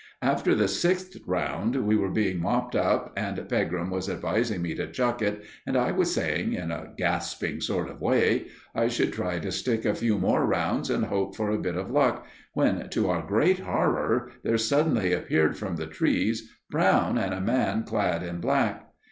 After the sixth round we were being mopped up and Pegram was advising me to chuck it, and I was saying, in a gasping sort of way, I should try to stick a few more rounds and hope for a bit of luck, when, to our great horror, there suddenly appeared from the trees Brown and a man clad in black.